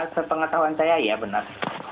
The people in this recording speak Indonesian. sepengetahuan saya ya benar